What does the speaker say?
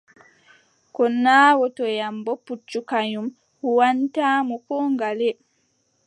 Ko naawotoyam boo, puccu kanyum huuwwantaamo koo ngale.